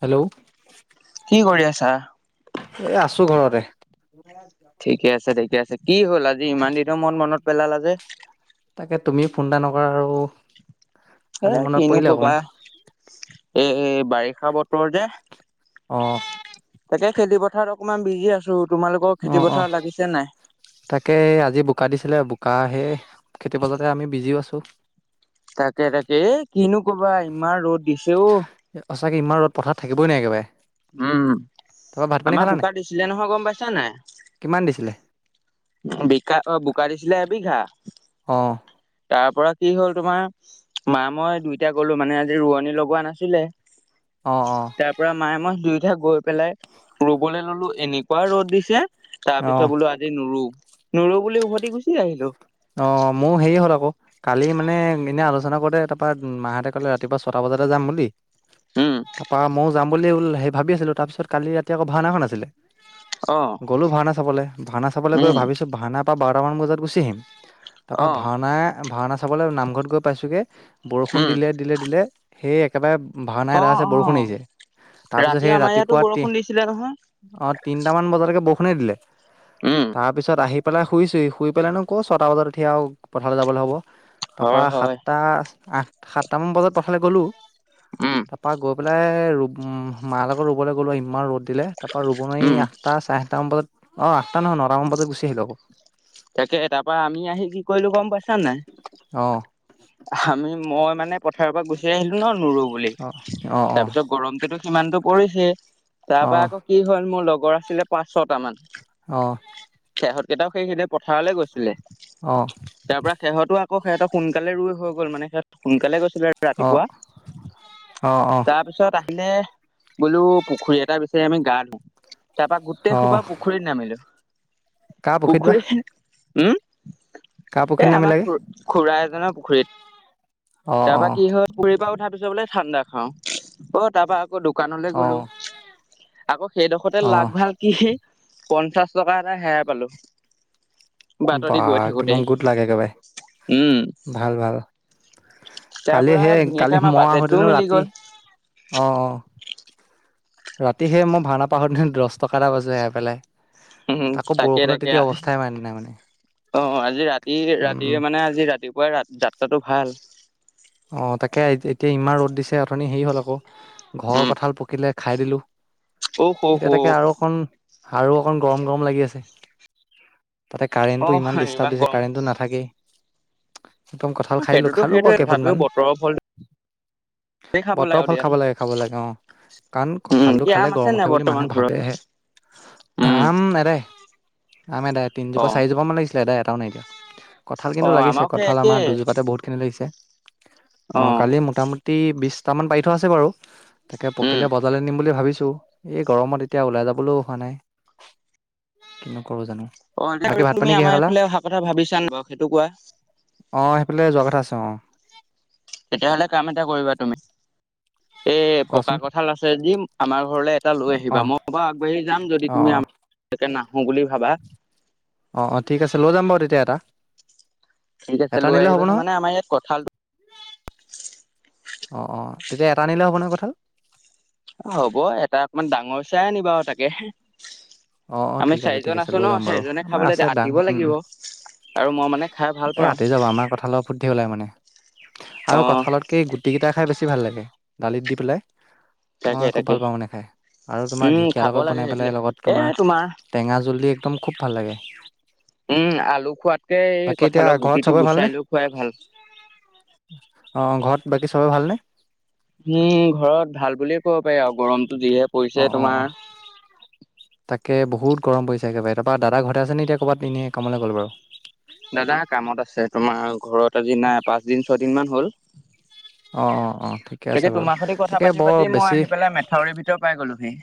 Hello. কি কৰি আছা? এ আছো ঘৰতে। [unintelligible] ঠিকে আছে ঠিকে আছে। কি হ'ল আজি ইমান দিনৰ মূৰত মনত পেলালা যে? তাকে তুমিও ফোন এটা নকৰা আৰু। এ আজি মনত কিনো পৰিলে ক'বা। অকমান এই বাৰিষা বতৰ যে অ'। তাকে খেতি পথাৰত অকনমান বিজি আছো, তোমালোকৰ খেতি অ পথাৰ লাগিছে নে নাই? তাকে আজি বোকা দিছিলে, বোকা সেয়ে খেতি পথাৰতে আমি বিজিও আছো। তাকে তাকে এ কিনো ক'বা ইমান ৰ'দ দিছে অ'। সঁচাকে ইমান ৰ'দ পথাৰত থাকিবই নোৱাৰি একেবাৰে। উম, তাৰপৰা ভাত পানী আমাৰ খালা নাই বোকা দিছিলে নহয় গম পাইছা নে নাই? কিমান দিছিলে? বিকা, অ' বোকা দিছিলে এবিঘা। অ'। তাৰপৰা কি হ'ল তোমাৰ মা মই দুইটা গ'লো মানে আজি ৰোৱনী লগোৱা নাছিলে। অ', অ'। তাৰ পৰা মায়ে মই দুুইটাই গৈ পেলাই ৰুবলৈ ললো এনেকুৱা ৰ'দ দিছে তাৰ অ পিছত বোলো আজি নুৰুও, নুৰু বুলি উভতি গুচি আহিলো। অ, মোৰ হেৰি হ'ল আকৌ কালি মানে মেনে এনেই আলোচনা কৰোতে তাৰপৰা মাহঁতে ক'লে ৰাতিপুৱা ছটা বজাতে যাম বুলি উম তাৰপা ময়ো যাম বুলিয়ে সেই ভাবি আছিলো তাৰ পিছত কালি ৰাতি আকৌ ভাওনাখন আছিলে অ গ'লো ভাওনা চাবলৈ ভাওনা চাবলৈ, গৈ উম ভাবিছো ভাওনাৰ পৰা বাৰটামান বজাত গুচি আহিম। তাৰপা অ ভাওনা, ভাওনা চাবলৈ নামঘৰত গৈ পাইছোগে বৰষুণ উম দিলে দিলে-দিলে সেই একেবাৰে ভাওনা অ এদায় হৈছে অ বৰষুণ এৰিছে, তাৰপিছত ৰাতি সেই আমাৰ ইয়াতো ৰাতিপুৱা তি বৰষুণ দিছিলে নহয় অ', তিনটামান বজালকে বৰষুণে দিলে উম তাৰ পিছত আহি পেলাই শুইছুহি শুই পেলাইনো আকৌ ছটা বজাত উঠি আৰু পথাৰলৈ যাবলৈ হ'ব, তাৰপৰা হয় হয় সাতটা আঠ সাতটামান বজাত পাথালে গ'লো উম তাৰপা গৈ পেলাই মা লগ লগত ৰুবলৈ গ'লো ইমান ৰ'দ দিলে তাৰ পৰা ৰুবলৈ নোৱাৰি উম আঠটা চাৰে আঠটা মান বজাত অ', আঠটা নহয় নটা মান বজাত গুচি আহিলো আকৌ। তাকে তাৰ পৰা আমি আহি কি কৰিলো গম পাইছা নাই? অ আমি মই মানে পথাৰৰ পৰা গুচি আহিলো ন নুৰুও বুলি। অ তাৰপিছত গৰম সেইটো সিমানতটো পৰিছেই তাৰ অ অ অ পৰা আকৌ কি হ'ল মোৰ লগৰ আছিলে পাঁচ ছটা মান সেহত কেইটাও সেই সেইদে পথাৰলৈ গৈছিলে। অ অ তাৰ পৰা সেহঁতো আকৌ সিহঁত সোনকালে ৰুই হৈ গ'ল মানে সিহঁত সোনকালে গৈছিলে ৰাতিপুৱা, অ অ অ তাৰপিছত পিছত আহিলে বোলো পুখুৰী এটা বিচাৰ আমি গা ধুও, তাৰপৰা গোটেই অ', সোপা পুখুৰী পুখুৰীত নামিলোঁ। কাৰ পুখুৰীত বা? উম, কাৰ পুখুৰীত এই আমাৰ নামিলাগে খু-খুৰা এজনৰ পুখুৰীত। অ', তাৰ অ', পৰা কি হয় পুখুৰী পৰা উঠাৰ পিছত বোলে ঠাণ্ডা খাও অ', তাৰপা আকৌ দু দোকানলৈ গ'লো, অ', আকৌ সেইডোখৰতে অ', লাক ভাল কি, পঞ্চাশ টকা এটা হেৰাাই পালো। বাট বা দি গৈ থাকোতেই, উম,। ভাল-ভাল তাৰ কালি পৰা সেই ধুনীয়াকে কালি আমাৰ মই বাজেটটোও আহোতেনো মিলি ৰাতি গ'ল অ', অ'। ৰাতি সেই মই ভাওনা পা আহোঁতে দহ টকা এটা পাইছো হেৰাই পেলাই। উম, তাকো তাকে বৰষুণত তাকে তেতিয়া আজি অৱস্থাই মানে নাই মানে অ', আজি ৰাতি ৰাতিয়ে উম, মানে আজি ৰাতি পুৱাই যাত্ৰাটো ভাল। অ', তাকে এতিয়া ইমান ৰ'দ দিছে অথনি হেৰি হ'ল আকৌ ঘৰৰ উম কঁঠাল পকিলে খাই দিলোঁ, অ হ হ এতিয়া তাকে আৰু অকণ আৰু অকণ গৰম গৰম লাগি আছে। তাতে অ কাৰেণ্টটো ইমান ডিষ্টাৰ্ব দিছে গৰম কাৰেণ্টটো নাথাকেই, একদম কঁঠাল খাই দিলো সেইটোতো খালো বাৰু সেইটোৱে কেই তথাপিও বতৰৰ ফল খাব লাগে বতৰ আৰু ফল দিয়া খাব লাগে, খাব লাগে অ'। কাৰণ উম কঁঠালটো কি আম খালে আছে গৰম নাই উঠে বুলি বৰ্তমান মানুহে ঘৰত ভাবেহে। উম আম এদাই, আম এদাই তিনজোপা অ চাৰিজোপা মান লাগিছি ছিলে এদাই এটাও নাইকি এতিয়া, কঁঠাল অ কিন্তু লাগিছে আমাৰো সেই কঁঠাল একেই আমাৰ দুজোপাতে বহুতখিনি লাগিছে। অ', কালি মোটামুটি বিশটামান পাৰি থোৱা আছে বাৰু তাকে উম পকিলে ব জাৰলে নিম বুলি ভাবিছো এই গৰমত এতিয়া ওলাই যাবলৈও হোৱা নাই। কিনো কৰো জানো। অ বাকী [inaudible] ভাত তুমি পানী কিহে আমাৰ খালা এইফালে অহা কথা ভাবিছা ন বাৰু সেইটো কোৱা? অ সেইফালে যোৱা কথা আছে অ। তেতিয় হলে কাম এটা কৰিবা তুমি। [unintelligible] এ পকা কোৱাচোন কঁঠাল আছে যদি আমাৰ ঘৰলৈ এটা লৈ অ আহিবা, মই বা আগবাঢ়ি যাম যদি অ তুমি আ একে নাহো বুলি ভাবা। অ অ ঠিক আছে, লৈ যাম বাৰু তেতিয়া এটা। ঠিক আছে এটা লৈ নিলে হ'ব আহিবাচোন নহয় মানে আমাৰ ইয়াত কঁঠাল অ অ তেতিয়া এটা আনিলে হ'ব নে কঠাল? হ'ব এটা অকমান ডাঙৰ চাই আনিবা বাও তাকে। অ অ আমি ঠিক আছে ঠিক চাৰিজন আছে আছো লৈ ন যাম বাৰু, চাৰিজনে আমাৰ খাবলৈ আছে দাং আতিব উম লাগিব উম। আৰু মই মানে খাই ভাল এ পাওঁ ৰাতি যাব আমাৰ কঁঠালৰ ফুত ধেই ওলাই মানে আৰু অ কঁঠালত কেই গুটিকিটা খাই বেছি ভাল লাগে দালিত দি পেলাই। তাকে মই খুব তাকে ভাল পাওঁ মানে খাই আৰু তোমাৰ উম ঢেঁকীয়া খাব লগত লাগে বনাই পেলাই সেইবিলাক লগত এ তোমাৰ টেঙা জুল দি একদম খুব ভাল লাগে। উম আলু খোৱাতকে এই বাকী এতিয়া কঁঠালত ঘৰত গুটিটো চবৰে গুচাই ভালনে? লৈ খোৱাই ভাল। অ ঘৰত বাকী চবে ভালনে? উম ঘৰত ভাল বুলিয়ে ক'ব পাৰি আৰু গৰম অ অ অ। তাকে বহুত গৰম পৰিছে একেবাৰে, তাপা দাদা ঘৰতে আছে নে এতিয়া ক'ৰবাত এনেই কামলৈ গ'ল বাৰু? দাদা কামত আছে তোমাৰ ঘৰত আজি নাই পাঁচ দিন ছয়দিন মান হ'ল। অ', অ', অ', ঠিকে আছে তাকে বাৰু। তোমাৰ সৈতে কথা তাকে পাতি বৰ পাতি মই বেছি আহি পেলাই মেথাউৰি ভিতৰ পাই গলোহি।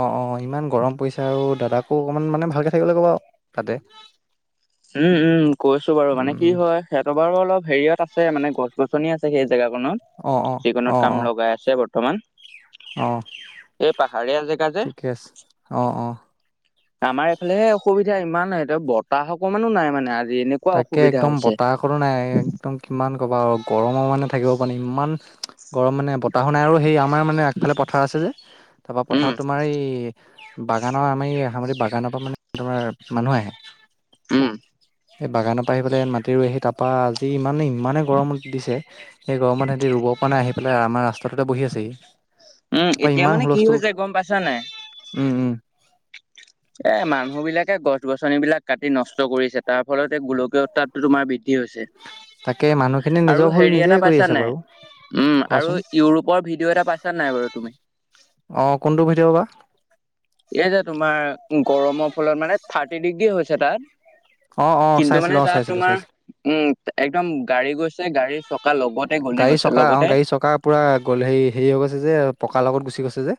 অঁ অঁ ইমান গৰম পৰিছে আৰু দাদাকো অকণমান মানে ভালকৈ থাকিবলে কবা আও। তাতে উম উম কৈছো বাৰু, মানে কি উম, উম, হয় সিহঁতৰ বাওঁ অলপ হেৰিয়ত আছোনে গছ গছনি আছে সেই অ', অ', জেগাকনত। যিকোনো অ', কাম অ', লগাই আছে বৰ্তমান। অ', এই পাহাৰীয়া জেগা যে। ঠিকে আছে। অ', অ'। আমাৰ এইফালে সে অসুবিধা ইমান এতে বতাহ অকমানো নাই মানে আজি এনে তাকে একদম বতাহ কোনো নাই একদম কিমান ক'বা আৰু গৰমৰ মানে থাকিব পৰা নাই ইমান গৰম মানে বতাহো নাই আৰু সেই আমাৰ মানে আগফালে পথাৰ আছে যে তাপা উম পথাৰত তোমাৰ এই বাগানৰ আমাৰামতি বাগানৰ পা মানে তোমাৰ মানুহ আহে। উম। এই বাগানৰ পৰা আহি পেলাই মাটি ৰোৱেহি তাপা আজি ইমান ইমানে গৰমত দিছে। এই গৰমত সেতি ৰুবৰ পৰা নাই, আহি পেলাই আমাৰ ৰাস্তাটোতে বহি আছেহি। উম তাপা এতিয়া ইমান মানে কি হুলস্থুল, হৈছে গম পাইছা নাই উম উম। এ মানুহ বিলাকে গছ গছনিবলাক কাটি নষ্ট কৰিছে তাৰ ফলত এই গোলকীয় উৎতাপ তোমাৰ বৃদ্ধি হৈছে। তাকে মানুহখিনিয়ে আৰু নিজৰ ভুল হেৰি নিজে এটা কৰি পাইছা আছে নাই বাও। উম আৰু ইউৰোপৰ ভিডিঅ' এটা পাইছা নাই বাৰু তুমি? অ কোনটো ভিডিঅ বা? এই যে তোমাৰ গৰমৰ ফলত মানে থাৰ্টি ডিগ্ৰী হৈছে তাত অ অ কিন্তু মানে চাইছিলো অ তাত চাইছিলো তোমাৰ চাইছিলো উম একদম গাড়ী গৈছে গাড়ীৰ চকা লগত গাড়ী চকা অ গাড়ী চকা পুৰা গ হেৰি হেৰি হৈ গৈছে যে পকাৰ লগত গুচি গৈছে যে।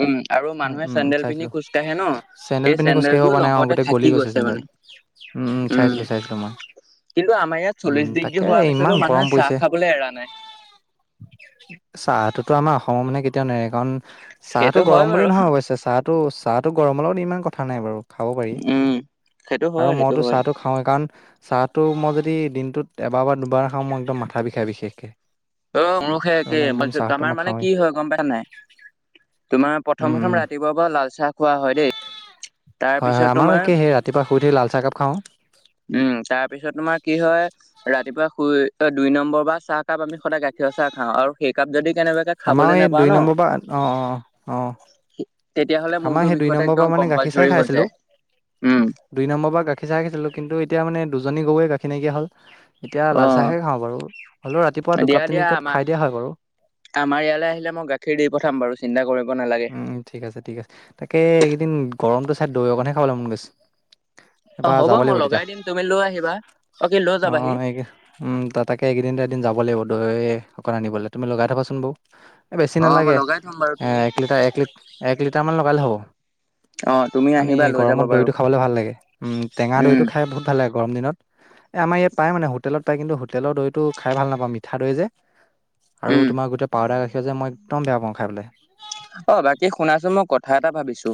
উম আৰু মানুহে উম চেন্দেল পিন্ধি চাইছিলো খোজকাঢ়ে ন চেন্দেল এই পিন্ধি খোজকাঢ়িব চেন্দেলযোৰ পৰা নাই অ লগতে গোটেই গলি থাকি গৈছে চেণ্দেল। মানে উম উম চাইছিলোঁ চাইছিলোঁ মই। কিন্তু আমাৰ ইয়াত উম চল্লিছ ডিগ্ৰী তাকে হোৱাৰ ইমান পিছতো গৰম মানুহে চাহ পৰিছে খাবলৈ এৰা নাই। চাহটোতো আমাৰ অসমৰ মানে কেতিয়াও নাই কাৰণ চাহ সেইটো টো হয় গৰম বুলি বাৰু নহয় অৱশ্যে চাহটো চাহটো গৰমৰ লগত ইমান কথা নাই বাৰু। খাব পাৰি উম সেইটো আৰু হয় সেইটো মইতো হয় চাহটো খাওঁ। খাওঁৱেই। কাৰণ চাহটো মই যদি দিনটোত এবাৰ বা দুবাৰ খাওঁ মই একদম মাথা বিষাই বিশেষকে। অ মোৰো সেই মানে একেই একদম চাহটো আমাৰ মই মানে খাওঁৱেই কি হয় গম পাইছা নাই তোমাৰ উম প্ৰথম উম প্ৰথম ৰাতিপুৱাৰ পৰা লাল চাহ খোৱা হয় দেই। তাৰ হয় পিছত হয় আমাৰো তোমাৰ একে সেই ৰাতিপুৱ শুই উঠি লাল চাহকাপ খাওঁ। উম তাৰপিছত তোমাৰ কি হয় ৰাতিপুৱা শুই দুই নম্বৰ বা চাহকাপ আমি সদায় গাঠীৰ চাহ খাওঁ। আৰু সেই কাপ যদি কেনেবাকে আমাৰো খাবলৈ এই নোপাওঁ দুই ন নম্বৰ পৰা অ অ অ তেতিয়া হ'লে আমাৰ মোৰটো সেই দুই বিষোৱা নম্বৰ পৰা একদম মানে গাখীৰ চাই কম্পালচৰি খাই হৈ আছিলো যায় উম। দুই নম্বৰ পৰা গাখীৰ চাইখিছিলো কিন্তু এতিয়া মানে দুজনী গৈ গাখীৰ নাইকীয়া হ'ল। এতিয়া অ', লালচাহে খাওঁ বাৰু। হ'লেও ৰাতিপুৱা দুই দিয়া কাপ দিয়া তিনি কাপ আমাৰ খাই দিয়া হয় বাৰু। আমাৰ ইয়ালৈ আহিলে মই গাখীৰ দি পঠাম বাৰু চিন্তা কৰিব নালাগে। উম ঠিক আছে ঠিক আছে। তাকে এইকেইদিন গৰমতটো চাই দৈ অকণহে খাবলৈ মন গৈছে। অ', এইবাৰ হ'ব যাব মই লাগিব লগাই দিম তুমি লৈ আহিবা। কি লৈ তেতিয়া অ যাবাহি? সেই উম তাকে এইকদিনটো এদিন যাব লাগিব দৈ অকণ আনিবলৈ তুমি লগাই থ'বাচোন বাৰু। বেছি অ', মই নালাগে লগাই থম বাৰু তুমি এক লিটাৰ এক এক লিটাৰমান লগালে হ'ব। অ', তুমি কানি আহিবা লৈ যাবা গৰমত বাৰু দৈটো খাবলৈ ভাল লাগে উম টেঙা উম, দৈটো খাই বহুত ভাল লাগে। গৰম দিনত এই আমাৰ ইয়াত পায় মানে হোটেলত পায়। কিন্তু হোটেলৰ দৈটো খাই ভাল নাপাওঁ মিঠা দৈ যে। আৰু উম। তোমাৰ গোটেই পাউদাৰ গাখীৰ যে মই একদম বেয়া পাওঁ খাই পেলায়। অ বাকী শুনাচোন মই কথা এটা ভাবিছো।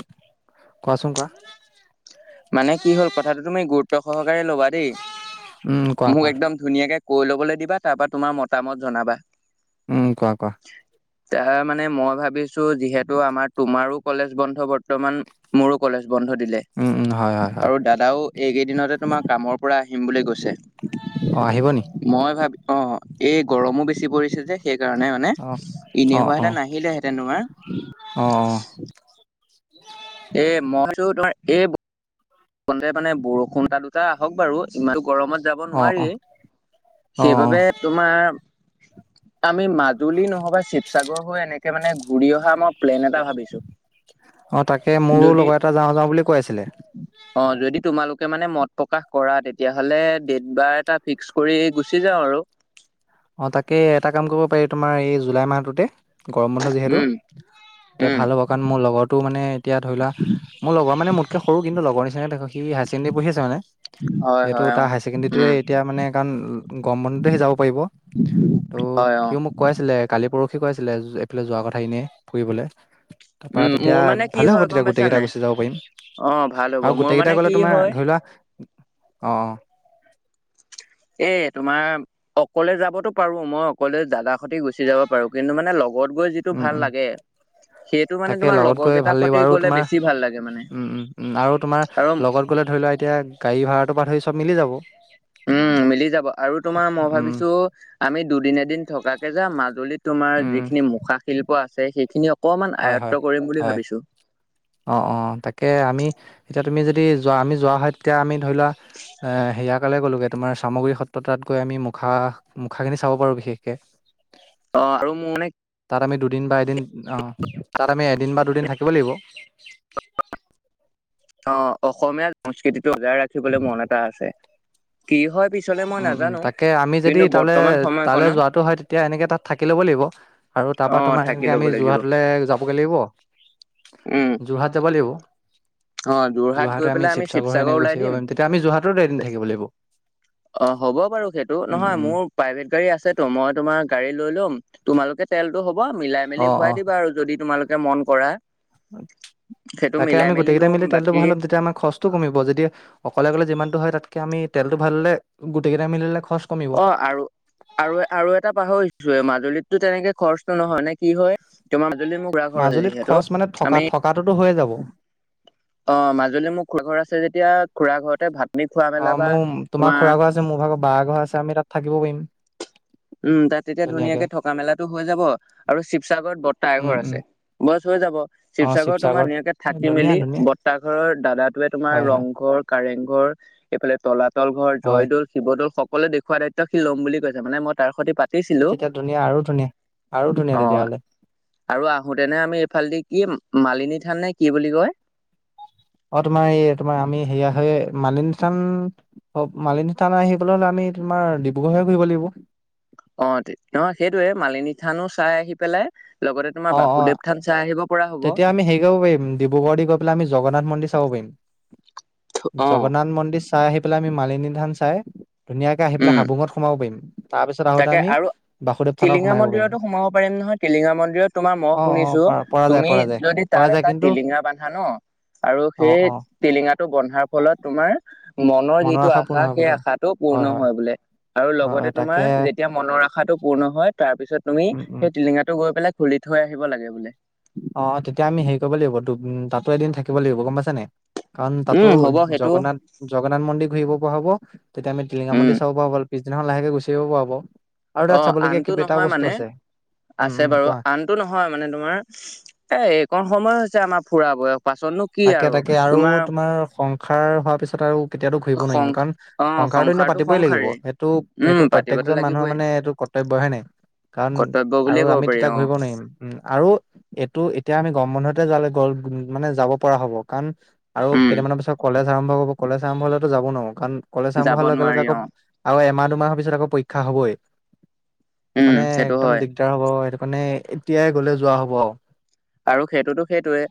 কোৱাচোন কোৱা। মানে কি হ'ল কথাটো তুমি গুৰুত্ব সহকাৰে ল'বা দেই উম কোৱা মোক কোৱা একদম। ধুনীয়াকে কৈ ল'বলৈ দিবা। তাৰ পৰা তোমাৰ মতামত জনাবা। উম কোৱা কোৱা। তাৰ মানে মই ভাবিছো যিহেতু আমাৰ তোমাৰো কলেজ বন্ধ বৰ্তমান। মোৰো কলেজ বন্ধ দিলে। উম হয় হয় হয়। আৰু দাদাও এইকেইদিনতে তোমাৰ কামৰ পৰা আহিম বুলি কৈছে। অঁ আহিব নিকি? মই ভাবি অ এই গৰমো বেছি পৰিছে যে। সেইকাৰণে মানে অঁ ইনেহুৱাহতে নাহিলেহেঁ তোমাৰ। অ অ। এ মই তো তোমাৰ এই মানে বৰষুণ এটা দুটা আহক বাৰু ইমানো গৰমত যাব অঁ অঁ নোৱাৰি অঁ অঁ সেইবাবে তোমাৰ আমি মাজুলী নহয় বা শিৱসাগৰ এনেকে মানে ঘূৰি অহা মই প্লেন এটা ভাবিছো। অ তাকে মোৰো যদি লগৰ এটা যাওঁ যাওঁ বুলি কৈ আছিলে। অ যদি তোমালোকে মানে মত প্ৰকাশ কৰা তেতিয়াহ'লে ডট বাৰ এটা ফিক্স কৰি গুচি যাওঁ আৰু। অঁ' তাকে এটা কাম কৰিব পাৰি তোমাৰ এই জুলাই মাহটোতে- গৰম বন্ধ যিহেতু, উম এতিয়া উম ভাল হ'ব কাৰণ মোৰ লগৰটো মানে এতিয়া ধৰি লোৱা, - মোৰ লগৰ মান মোতকে সৰু কিন্তু লগৰ নিচিনাকে দেখ সি হাইছেকেণ্ডাৰী পঢ়ি আছে মানে। হয় যিহেতু হয় অ তাৰ হায়াৰ চেকেণ্ডেৰী টোৱে উম এতিয়া মানে কাৰণ গৰম বন্ধুতো সি যাব পাৰিব। ত' হয় অ সিও মোক- কৈ আছিলে কালি পৰহি কৈ আছিলে এইফালে যোৱা কথা এনেই ফুৰিবলে। তাপা উম তেতিয়া মোৰ মানে কি ভালে হ'ব হয় গম তেতিয়া পাইছা গোটেইগেইটা নাই গুচি যাব পাৰিম। অ ভাল হ'ব আৰু মোৰ গোটেই মানে গেইটা কি গলে তোমাৰ হয় ধৰি লোৱা, অঁ অ'- এ তোমা- অকলে যাবতো পাৰো মই অকলে দাদা সতি গুচি যাব পাৰো, কিন্তু মানে লগত গৈ যি- টো উম ভাল উম লাগে- সেইটো মানে তাকে তোমাৰ লগত লগৰ গৈ কেইটাৰ ভাল লাগিব সতি আৰু গ'লে তোমাৰ বেছি ভাল লাগে মানে উম উম উম' আৰু তোমাৰ আৰু লগত- গলে ধৰি লোৱা এতিয়া গাড়ী ভাৰাটো বাট হই চব মিলি যাব। উম' মিলি যাব আৰু তোমাৰ মই উম ভাবিছো আমি দুদিনে এদিন থকাকে যাম মাজুলীত- তোমাৰ উম যিখিনি মুখা শিল্প আছে সেইখিনি অকমান আয়ত্ব কৰিম বুলি ভাবিছো। অঁ অঁ তাকে, আমি এতিয়া তুমি যদি যোৱা আমি যোৱা হয় তেতিয়া আমি ধৰি লোৱা, - এ সেয়া তালে গ'লোগে তোমাৰ চামগুৰি সত্ৰ তাত গৈ আমি মুখা মুখাখিনি চাব পাৰো বিশেষকে। অঁ' আৰু মোৰ মানে- তাত আমি দুদিন বা এদিন ঘঁ তাত আমি এদিন বা দুদিন থাকিব লাগিব। অঁ' অসমীয়া সংস্কৃতিটো বজাই ৰাখিবলৈ মন এটা আছে। কি হয়- পিছলে মই উম উম' নাজানো। তাকে, আমি যদি কিন্তু তালে বৰ্তমান তালে সময়কণত যোৱাটো হয় তেতিয়া এনেকে তাত থাকি ল'ব লাগিব। আৰু তাপা অ', তোমাৰ থাকি এনেকে ল'ব আমি লাগিব যোৰহাটলে যাবগে লাগিব- উম, যোৰহাত যাব লাগিব। অ', যোৰহাট গৈ যোৰহাটে আমি পেলাই শিৱসাগৰ হৈ এনেকে ওলাই গুচি দিম যাব পাইম, তেতিয়া আমি যোৰহাটটো এদিন থাকিব লাগিব। অঁ' হ'ব বাৰু সেইটো, নহয় মোৰ- প্ৰাইভেট গাড়ী আছেটো, মই তোমাৰ গাড়ী লৈ লম তোমালোকে তেলটো হ'ব মিলাই- অঁ মিলি অঁ ভৰাই দিবা আৰু যদি তোমালোকে মন কৰা। সেইটো তাকে মিলাই আমি মেলি গোটেই গেইটা লম মিলি তেলটো বাকী ভয়াই ল'ম, তেতিয়া আমাৰ খৰচটো কমিব যেতিয়া- অকলে গলে যিমানটো হয় তাতকে আমি তেলটো ভাৱাই ললে গোটেই গেইটা মিলে খৰচ- কমিব অঁ আৰু আৰু আৰু এটা পাহৰিছোৱে মাজুলীততো তেনেকে খৰচটো নহয় নে কি হয়? তুমা যদি মোক- মাজুলীত খৰচ মানে থকা থকাটোতো হৈয়ে যাব। অঁ' মাজুলী মোৰ খুৰা ঘৰ আছে যেতিয়া খুৰা ঘৰতে ভাত পানি খোৱা অঁ মেলা বা মোৰ খুৰা তোমাৰ- ঘৰ মোৰ ভাগৰ বা ঘৰ আছে আমি তাত থাকিব পাৰিম। উম' তাত তেতিয়া ধুনীয়াকে থকা মেলাটো হৈ যাব আৰু শিৱসাগৰত বট্টা উম এঘৰ উম আছে। বছ হৈ যাব। শিৱসাগৰত তোমাৰ ধুনীয়েকে থাকি- ধুনীয়া মেলি ধুনীয়া বৰ্তা ঘৰৰ দাদাটোৱে তোমাৰ হয় হয় ৰংঘৰ- কাৰেংঘৰ এইফালে তলাতল ঘৰ, হয় জয়দৌল- শিৱদৌল সকলো দেখওৱা দায়িত্ব সি লম বুলি কৈছে, মান মই তাৰ সৈতে পাত- এই তেতিয়া ধুনীয়া, আৰু ধুনীয়া আৰু ধুনীয়া অ তেতিয়াহ'লে। আৰু আহোতেনে আমি এইফালেদি কি মালিনী থান নে কি বুলি কয়? অঁ' তোমাৰ এই তোমাৰ আমি সেয়া হয় মালিনি থান- অ মালিনী থানা আহিবলে হ'লে আমি তোমাৰ ডিব্ৰুগড় হৈ ঘূৰিব লাগিব। অঁ তে অঁ সেইটোৱে, মালিনী থানো চাই আহি পেলাই- লগতে তোমাৰ অ অ বাসুদেৱ থান চাই আহিব পৰা হ'ব। তেতিয়া আমি হেই [unintelligible] কৰিব পাৰিম ডিব্ৰুগড় দি গৈ পেলাই আমি জগন্নাথ মন্দিৰ চাব পাৰিম। অ জগন্নাথ মন্দিৰ চাই আহি পেলাই আমি মালিনী থান চাই ধুনীয়াকৈ আহি পেলাই উম হাবুঙত সোমাব পাৰিম। তাৰ পিছত আহোতে তাকে আমি আৰু বাসুদেৱ থানত টিলিঙা সোমাই আহিব পাৰিম মন্দিৰতো সোমাব পাৰিম নহয়, টিলিঙা মন্দিৰত তোমাৰ মই অ অ শুনিছো, পৰা পৰা যায় তুমি পৰা যায় যদি পৰা তাত যায় এটা কিন্তু টিলিঙা বান্ধা ন আৰু অ সেই অ টিলিঙাটো বন্ধাৰ ফলত তোমাৰ মনৰ যিটো পূৰ্ণ আশা হয় সেই বোলে আশাটো পূৰ্ণ হয় বোলে। আৰু হয় লগতে তাকে তোমাৰ যেতিয়া মনৰ আশাটো পূৰ্ণ হয় তাৰ পিছত তুমি উম উম সেই টিলিঙাটো গৈ পেলাই খুলি থৈ আহিব লাগে বোলে। অ', অ' তেতিয়া আমি হেৰি কৰিব লাগিব ত তাতো এদিন থাকিব লাগিব গম পাইছ নে? কাৰণ তাতো উম হ'ব সেইটো জগন্নাথ জগন্নাথ মন্দিৰ ঘূৰিব পৰা হ'ব, তেতিয়া আমি টিলিঙা উম মন্দিৰ চাব পৰা হ'ল পিছদিনা লাহে গুচি আহিব পৰা হ'ব। আৰু তাত অ', চাবলগীয়া আনটো কেইবাটাও নহয় বস্তু মানে আছে উম আছে উম বাৰু কোৱা আন টো নহয় মানে তোমাৰ, এ', এইকন সময় হৈছে আমাৰ ফুৰা বয়স। তাকে, তাকে আৰু তোমাৰ সংসাৰ হোৱাৰ পিছত আৰু তেতিয়াতো ঘুৰিব সং নোৱাৰিম, কাৰণ অ সংসাৰটো এনেও পাতিবই লাগিব, সংসাৰেই সেইটো উম এইটো পাতিবতো প্ৰত্যেকজন মানুহৰ লাগিবই মানে এইটো কৰ্তব্য হয় নাই? কাৰণ কৰ্তব্য আৰু বুলিয়ে ক'ব আমি পাৰি তেতিয়া অ ঘূৰিব নোৱাৰিম উম, আৰু এইটো এতিয়া আমি গৰম বন্ধতে যে মানে যাব পৰা হ'ব কাৰণ আৰু উম কেইটামানৰ পিছত কলেজ আৰম্ভ হ'ব কলেজ আৰম্ভ হ'লেতো যাব নোৱাৰো, কাৰণ কলেজ আৰম্ভ যাব হোৱাৰ লগে লগে নোৱাৰি আকৌ অ আৰু এমাহ, দুমাহৰ পিছত আকৌ পৰীক্ষা হ'বই উম মানে সেইটো একদম হয় [unintelligible] হ'ব সেইটো কাৰণে এতিয়াই গ'লে যোৱা হ'ব আৰু। আৰু সেইটোতো, সেইটোৱে